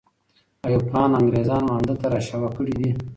ایوب خان انګریزان مانده ته را شوه کړي دي.